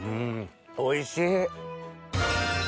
おいしい！